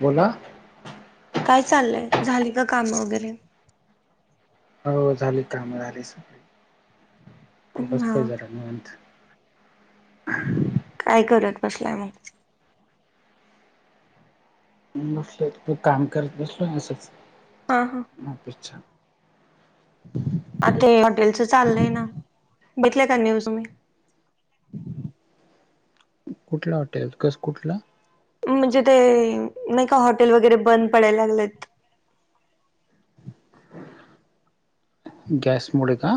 बोला काय चाललंय झाली का काम वगैरे? हो झाली कामं झाली सगळी हा बसलोय जरा निवांत हं [inaudible] काय करत बसलाय मग? बसलोय तू काम करत बसलो असंच हा हा ऑफिस चं आ ते हॉटेलच चाललंय ना बघीतल्या का न्यूज मध्ये कुठलं हॉटेल कस कुठलं? म्हणजे ते नाही का हॉटेल वगैरे बंद पडायला लागलेत गॅसमुळे का?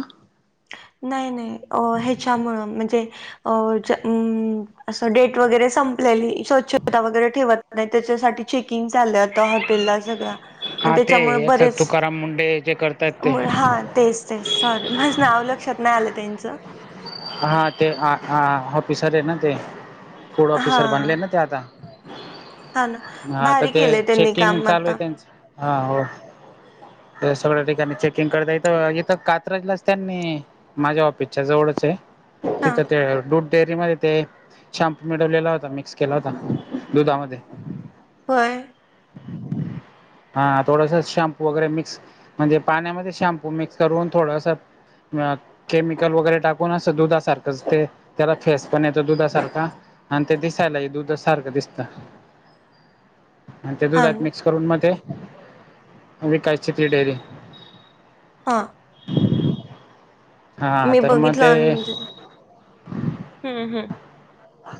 नाही नाही अ ह्याच्यामुळं म्हणजे अ जम अम अस डेट वगैरे संपलेली स्वच्छता वगैरे ठेवत नाही त्याच्यासाठी चेकिंग चाललंय आता हॉटेलला सगळ्या मग हा ते त्याच्यामुळे याच बरेच तुकाराम मुंडे जे करतायत ते मुळ हा तेच तेच सॉरी माझ्या नाव लक्षात नाही आलं त्यांचं हा ते हा हा ऑफिसर आहे ना ते फूड हा ऑफिसर बनले ना ते आता हा ना हा तर भारी ते केलंय त्यांनी चेकिंग काम चालू आता आहे त्यांच हा हो सगळ्या ठिकाणी चेकिंग करता इथं इथं कात्रजलाच त्यांनी माझ्या ऑफिसच्या जवळच आहे हा तिथं ते डेरी मध्ये ते शॅम्पू मिळवलेला होता मिक्स केला होता दुधामध्ये होय हा थोडस शॅम्पू वगैरे मिक्स म्हणजे पाण्यामध्ये शॅम्पू मिक्स करून थोडस केमिकल वगैरे टाकुण पूर्ण असं दुधासारखंच ते त्याला फेस पण येतो दुधासारखा आणि ते दिसायला ही दुध सारखं दिसतं [inaudible] आणि ते हा दुधात ना मिक्स करून मग ते विकायची ती डेअरीला हा हा मी तर मग बघितलं ते आणि म्हणजे हम्म हम् हा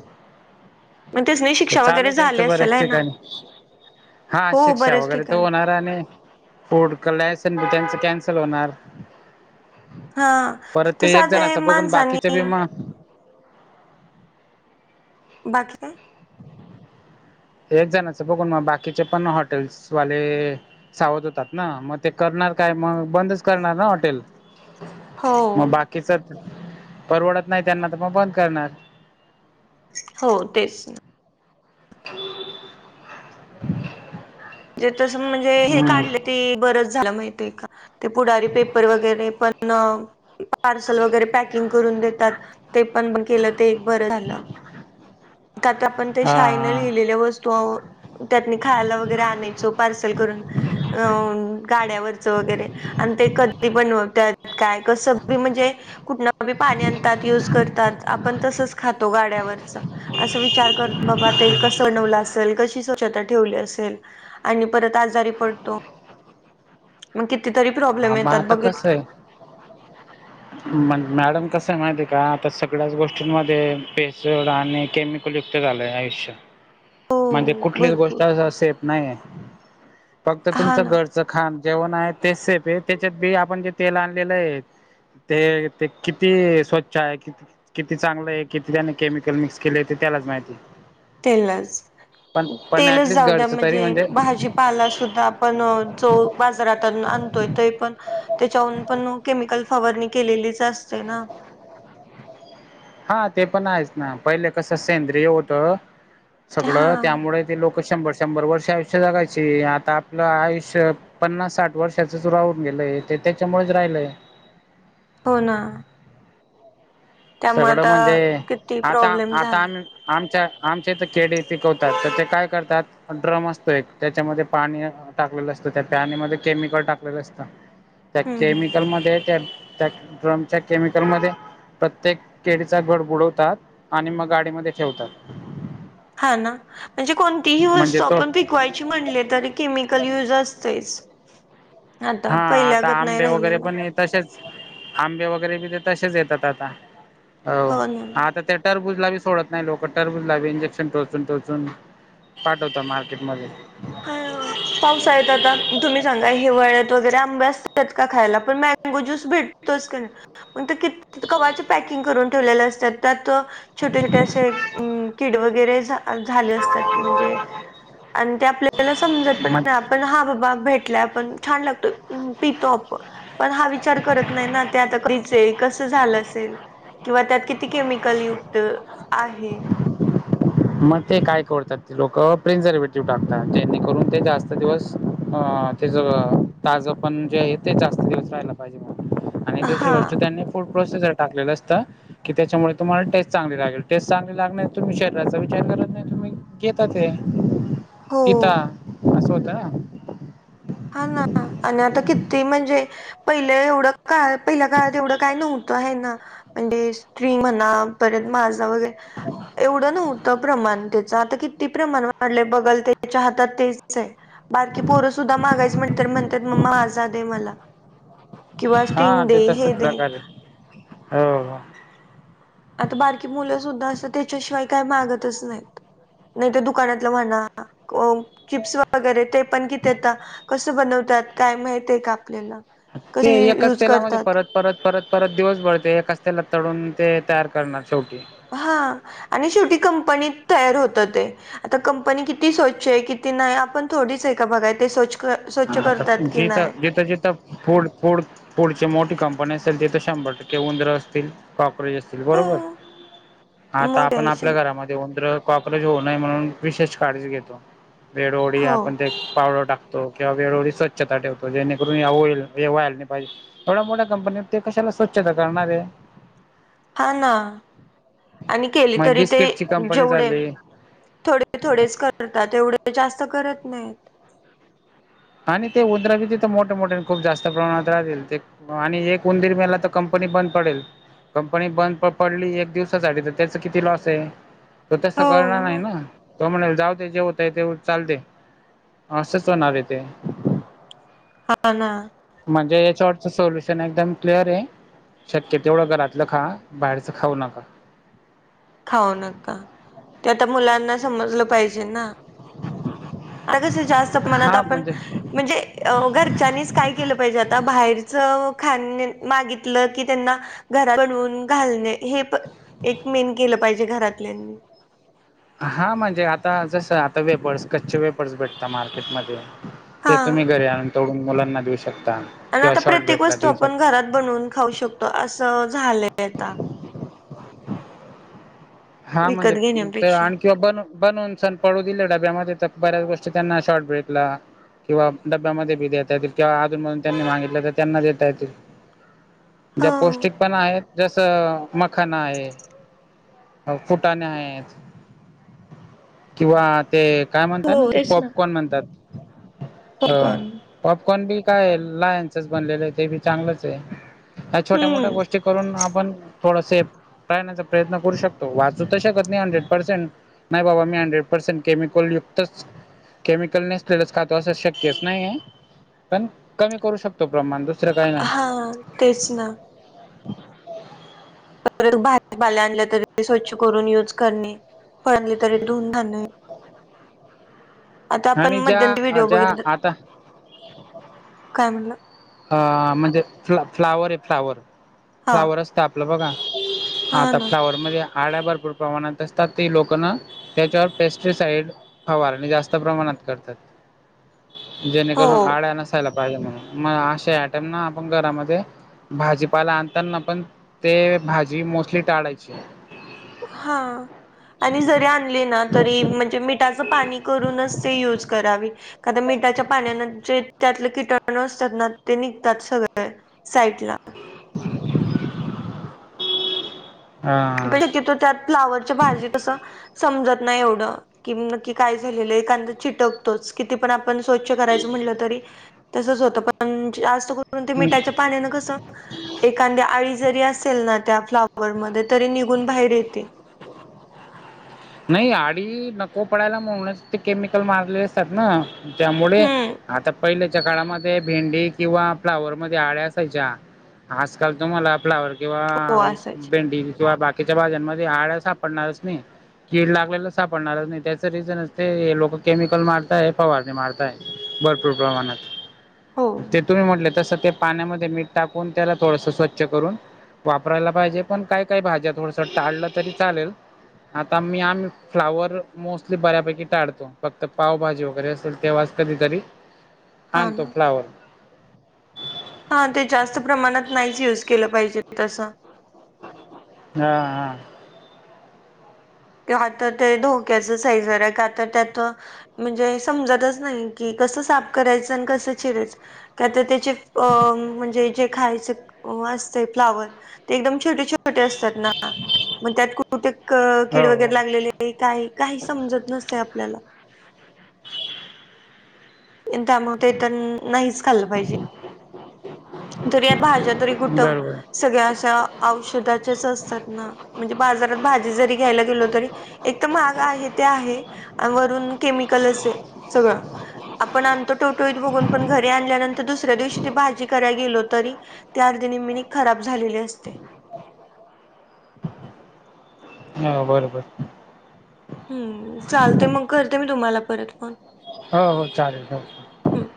मग ते स्ने [unintelligible] तर चालू आहे त्यांच बऱ्याच ठिकाणी हा हो शिक्षा बऱ्याच वगैरे तर ठिकाणी होणार आणि [inaudible] त्यांच कॅन्सल होणार हा परत ते एक साधे जनाच बघून बाकीच माणसानी बी म बाकी काय? एक जणचं बघून मग बाकीचे पण हॉटेल्सवाले सावध होतात ना मग ते करणार काय मग बंदच करणार ना हॉटेल हो मग बाकीच परवडत नाही त्यांना तर मग बंद करणार हो तेच [unintelligible] जे तसं म्हणजे हे हम्म काढलं ते बरंच झालं माहिती आहे का ते पुढारी पेपर वगैरे पण पार्सल वगैरे पॅकिंग करून देतात ते पण बंद केलं ते एक बरं झालं त्यात आपण ते शाईन हा लिहिले ल वस्तू त्यानी खायला वगरे आणायचो पार्सल करून अ गाड्यावरच वगैरे आणि ते कधी बनत्यात काय कसं बी म्हणजे कुठन बी पाणी आणतात युज करतात आपण तसच खातो गाड्यावरच अस विचार करत बाबा ते कसं बनवलं असल कशी स्वच्छता ठेवली असेल आणि परत आजारी पडतो मग किती तरी हा प्रॉब्लेम मग येतात आता बघितलं [inaudible] मग मॅडम कस आहे माहिती आहे का आता सगळ्याच गोष्टींमध्ये भेसळ आणि केमिकल युक्त झालं आहे आयुष्यात हो म्हणजे कुठलीच गोष्ट भरपूर असं सेफ नाही आहे फक्त हा तुमचं ना घरच च खान जेवण आहे ते सेफ आहे त्याच्यात बी आपण जे तेल आणलेलं आहे ते ते किती स्वच्छ आहे किती चांगलं आहे किती त्याने केमिकल मिक्स केले ते त्यालाच माहिती पण तेललाच पण तेलच ऍटलिस्ट जाऊ द्या घरचं तरी म्हणजे भाजी पाला सुद्धा आपण जो बाजारातून आणतोय ते पण त्याच्यावरून पण केमिकल फवारणी केलेलीच असते ना हा ते पण आहेच ना पहिले कसं सेंद्रिय होतं हा सगळं त्यामुळे ते लोक शंभर शंभर वर्ष आयुष्य जगायचे आता आपलं आयुष्य पन्नास साठ वर्षचच राहून गेलंय ते त्याच्यामुळेच राहिलंय. हो ना त्यामुळे सगळं म्हणजे आता किती आता प्रॉब्लेम आता झाला आम्ही आमच्या आमचे तर केडे पिकवतात तर ते काय करतात. ड्रम असतो एक त्याच्यामध्ये पाणी टाकलेलं असतं त्या पॅने मध्ये केमिकल टाकलेलं असतं. त्या हम्म हम्म केमिकलमध्ये त्या त्या ड्रमच्या केमिकलमध्ये प्रत्येक केडीचा घड बुडवतात आणि मग गाडीमध्ये ठेवतात. हा ना म्हणजे कोणतीही म्हणजे वस्तू तो आपण पीकवायची म्हणले तरी केमिकल युज असतेच. आता हा आता पहिल्यागत नाही आंबे वगैरे राहिलेला पण ये तसेच आंबे वगैरे बी ते तसेच येतात आता हो आता ते टरबुजला भी सोडत नाही लोक टरबुजला इंजेक्शन टोचून टोचून पाठवता मार्केटमध्ये, हा पावसळात आता तुम्ही सांगा हिवाळ्यात वगैरे आंब्या असतात का खायला पण मगो ज्यूस भेटतोग क क्व्हा पॅकिंग करून ठेवले असतात त्यात छोटे छोटे असे किड वगैरे झाले असतात म्हणजे आणि ते आपल्या त्याला समजत पण मग नाही आपण हा बाबा भेटलाय आपण छान लागतो पितो आप पण हा विचार करत नाही ना ते आता कच कस झालं असेल किंवा त्यात किती केमिकल युक्त आहे. मग ते काय करतात ते लोक प्रिझर्वेटिव्ह टाकतात जेणेकरून ते जास्त दिवस तेच ताजं पण जे आहे ते जास्त दिवस राहायला पाहिजे. म्हणून [unintelligible] आणि दुसरी गोष्ट त्यांनी प्रासेसर टाकलेले असत की त्याच्यामुळे तुम्हाला टेस्ट चांगली लागेल टेस्ट चांगली लाग त याचा विचार करत नाही तुम्ही घेतात हे पिता हो असं होता. हा ना आणि आता किती म्हणजे पहिलं एवढं काळ पहिल्या काळात एवढं काय नव्हतं आहे ना म्हणजे स्त्री म्हणा परत माझं वगैरे एवढं नव्हतं प्रमाण पण आता किती प्रमाण वाढल बघेल त्याचा हातात तेच आहे, बारके पोर मागायच म्हट तर म्हणतात मम्मा माजा दे मला किंवा हा स्टिंग ते दे हे तसच दे प्रकारे हो आता बारकी मुलं सुद्धा असत त्याच्याशिवाय काही मागतच नाहीत. नाही ते दुकानातलं म्हणा किप्स वगैरे ते पण किथता कस बनवतात काय माहितय का आपल्याला ते कशी एकच यूज तेलामध्ये करतात. परत परत परत परत दिवस भरते एका च तेलात तडून ते तयार करणार शेवटी हा आणि शेवटी कंपनीत तयार होत ते आता कंपनी किती स्वच्छ आहे किती नाही आपण थोडीच आहे का बघा ते स्वच ह जथ जिथं जिथं फूड फूड पुढचे मोठी कंपनी असेल तिथे शंभर टक्के उंदरं असतील कॉक्रोच असतील बरोबर [unintelligible] आता मग आपण यायचे आपल्या घरामध्ये उंदरं, कॉक्रोच होऊ नये म्हणून विशेष काळजी घेतो. वेळोवेळी हो आपण ते पावडर टाकतो. किंवा वेळोवेळी स्वच्छता ठेवतो जेणेकरून होईल व्हायला नाही पाहिजे. एवढ्या मोठ्या कंपनी ते कशाला स्वच्छता करणार आहे ओ हा ना आणि केली मग तरी ते बिस्किटची कंपनी जेवढे झाली थोडे थोडेच कर करतात. तेवढे जास्त करत नाहीत आणि ते उंदर बी तिथं, मोठे मोठे आणि खूप जास्त प्रमाणात राहतील ते आणि एक उंदीर मेला तर कंपनी बंद पडेल कंपनी बंद पडली एक दिवसासाठी तर त्याच किती लॉस आहे. तो तसं हो करणार नाही मग ना तो म्हणल जावुदे जे वहतय ते होउदे. चालतय असंच होणार हे ते हा ना. म्हणजे याच्यावरचं सोल्युशन एकदम क्लिअर आहे. शक्य तेवढं घरातलं खा. बाहेरचं खाऊ नका. खाऊ नका ते आता मुलांना समजलं पाहिजे ना. अंग जर जास्त मनात हा आपण. म्हणजे म्हणजे घरच्यांनीच काय केलं पाहिजे, आता बाहेरचं खाण मागितलं की त्यांना घरात बनवून घालणे, हे एक मेन केलं पाहिजे घरातल्यांनी हा म्हणजे आता जसं आता वेफर्स कच्चे वेफर्स भेटतात मार्केटमध्ये हा ते तुम्ही घरी आणून तळुन मुलांना देऊ शकता. आणि किंवा आता शॉर्ट प्रत्येक ब्रेकला वस्तू देऊ आपण शकता घरात बनवून खाऊ शकतो. असं झालंय आता हा म्हणजे विकत ते घेण्यापेक्षा आणख किंवा बनवू बनवून सण पळू दिले डब्यामध्ये तर बऱ्याच गोष्टी त्यांना शॉर्ट ब्रेकला किंवा डब्यामध्ये बी देता येतील, किंवा अधुन मधून त्यांनी मागितले तर त्यांना देता येतय - हो ज्यात पौष्टिक पणा आहे जसं मखाणा आहे फुटाणे आहेत. किंवा ते काय म्हणतात ना हो ते तेच पॉपकॉन म्हणतात. हं पॉपकॉर्न पॉपकॉर्न बी काय लाह्यांच बनलेलं आहे ते बी चांगलंच आहे. या छोट्या मोठ्या हम्म गोष्टी करून आपण थोड सेेफ राहण्याचा प्रयत्न करू शकतो. वाचू तर शकत नाही. हंड्रेड पर्सेंट नाही बाबा मी हंड्रेड पर्सेंट केमिकल युक्तच केमिकल नेसलेलंच खातो असं शक्यच नाही आहे. पण कमी करू शकतो प्रमाण दुसरं काही नाही हा तेच ना. परत बाहेर भाजीपाला आणल्या तरी स्वच्छ करून युज करणे. फळ आणली तरी धुऊन खाणे. आता आपण आणि मध्येती ते ज्या व्हिडिओ ज्या बघितलं आता काय म्हंटला? अ म्हणजे फ्ला फ्लावर आहे. फ्लावर हा फ्लावर असत आपलं बघा हा आता ना फ्लावर मध्ये आळ्या भरपूर प्रमाणात असतात. ते लोक ना त्याच्यावर पेस्टिसाईड फवारणी जास्त प्रमाणात करतात. हो जेणेकरून आळ्या नसायला पाहिजे, म्हणून मग अशे आयटम ना आपण घरामध्ये भाजीपाला आणताना पण ते भाजी मोस्टली टाळायची. हा आणि जरी आणले ना तरी म्हणजे मिठाचं पाणी करूनच ते यूज करावी. का त मीठाच्या पाण्यान जे त्यातले कीटणु असतात. ना ते निघतात सगळे साईटला [inaudible] शक्यतो त्यात फ्लावरच्या भाजीत कसं समजत नाही. एवढं कि नक्की काय झालेलं एखादं चिटक तोच किती पण आपण स्वच्छ करायच म्हणलं तरी तसंच होतं पण जास्त करून परंतु मिठाच्या पाण्यान कसं एखांदि आळी जरी असेल ना त्या फ्लावरमध्ये तरी निघून बाहेर येते. नाही आळी नको पडायला म्हणूनच ते केमिकल मारले असतात. ना त्यामुडे हम्म आता पहिल्याच्या काळामध्ये भेंडी किंवा फ्लावर मध्ये आळ्या असायच्या. आजकाल तुम्हाला फ्लावर किंवा हो असायच भेंडी किंवा बाकीच्या भाज्यांमध्ये आळ्या सापडणारच नाही. कीड लागलेलं सापडणारच नाही त्याच रिझनच ते हे लोकं केमिकल मारताय फवारणी मारताय. भरपूर प्रमाणात [unintelligible] ते तुम्ही म्हंटले तसं ते पाण्यामध्ये मीठ टाकून त्याला थोडस स्वच्छ करून वापरायला पाहिजे पण काय, काय भाज्या थोडसं टाळल्या तरी चालेल. आता मी आम्ही फ्लावर मोस्टली बऱ्यापैकी टाडतो फक्त पावभाजी वगैरे असेल तेव्हाच कधीतरी [unintelligible] ना आणतो फ्लावर हा ते जास्त प्रमाणात नाहीच यूज केलं पाहिजे तसं हा हा. आता ते धोक्याच आहे जरा हाय का तर त्यातं म्हणजे समजतच नाही की कसं साफ करायचं, अन कसं चिरायचं का तर त्याचे अह म्हणजे जे खायच अह असतयं फ्लावर ते एकदम छोटे छोटे असतात. ना मग त्यात कुठ क कीड हा हो वगैरे लागलेली काय काही समजत नसतयं आपल्याला त्यामुळे ते तर नाहीच खाल्लं पाहिजे तरी या भाज्या तरी हो कुठं बरोबर सगळ्या अशा औषधाच्याच असतात ना म्हणजे बाजारात भाजी जरी घ्यायला गेलो तरी एक तर महाग आहे ते आहे अह वरून केमिकलच सगळं आपण आणतो टवटवीत बघून पण घरी आणल्यानंतर दुसऱ्या दिवशी ती भाजी करायला गेलो तरी त्या अर्ध्या निम्म्याने खराब झालेली असते. हो बरोबर. हम्म, चालतंय मग करते मी तुम्हाला परत फोन. हो, हो, चालेल, चालेल. हम्म.